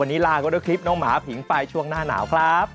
วันนี้ลากันด้วยคลิปน้องหมาผิงไฟช่วงหน้าหนาวครับ